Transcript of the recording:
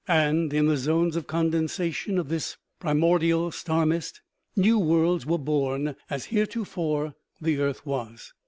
And in the zones of condensation of this primordial star mist, new worlds were born, as heretofore the earth was.